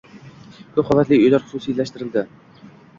Koʻp qavatli uylar xususiylashtirildi.